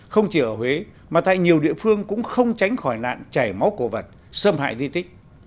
không chỉ ở huế mà tại nhiều địa phương cũng không tránh khỏi nạn chảy máu cổ vật xâm hại di tích